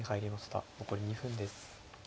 残り２分です。